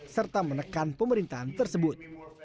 serta menekan pemerintahan tersebut